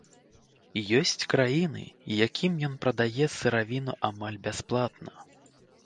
Ёсць краіны, якім ён прадае сыравіну амаль бясплатна.